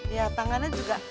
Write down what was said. ya tangannya juga